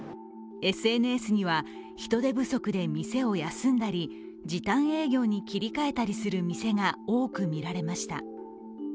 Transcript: ＳＮＳには、人手不足で店を休んだり時短営業に切り替えたりする店が多くみられました。